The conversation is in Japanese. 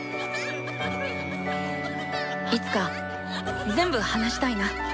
いつか全部話したいな。